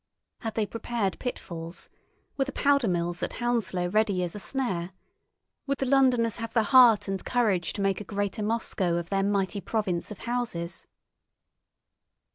Had they prepared pitfalls? Were the powder mills at Hounslow ready as a snare? Would the Londoners have the heart and courage to make a greater Moscow of their mighty province of houses?